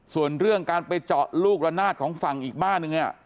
ส่วนเรื่องการไปเจาะลูกระนาดของฝั่งอีกบ้านหนึ่ง